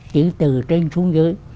chỉ từ trên xuống dưới